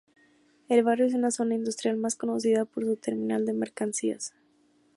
El barrio es una zona industrial más conocida por su terminal de mercancías.